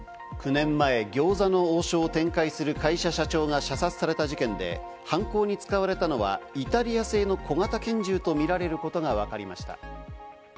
９年前、餃子の王将を展開する会社社長が射殺された事件で、犯行に使われたのはイタリア製の小型拳銃とみられることがわかりました。